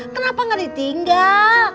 kenapa gak ditinggal